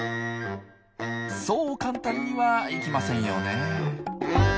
そう簡単にはいきませんよね。